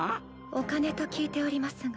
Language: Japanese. お金と聞いておりますが。